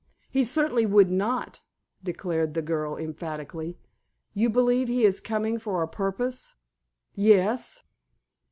"He certainly would not," declared the girl emphatically. "You believe he is coming for a purpose?" "Yes."